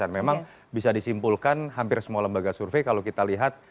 memang bisa disimpulkan hampir semua lembaga survei kalau kita lihat